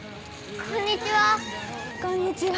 ・こんにちは。